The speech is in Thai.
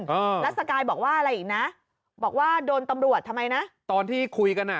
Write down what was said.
เออแล้วสกายบอกว่าอะไรอีกนะบอกว่าโดนตำรวจทำไมนะตอนที่คุยกันอ่ะ